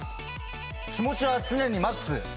気持ちは常にマックス。